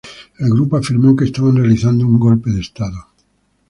El grupo afirmó que estaban realizando un golpe de estado".